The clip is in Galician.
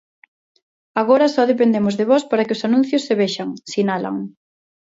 Agora só dependemos de vós para que os anuncios se vexan, sinalan.